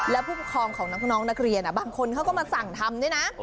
แล้วผู้ปกครองของน้องนักเรียนบางคนเขาก็มาสั่งทำด้วยนะ